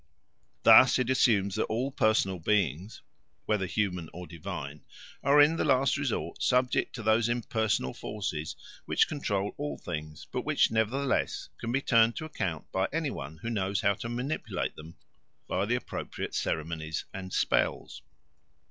Thus it assumes that all personal beings, whether human or divine, are in the last resort subject to those impersonal forces which control all things, but which nevertheless can be turned to account by any one who knows how to manipulate them by the appropriate ceremonies and spells.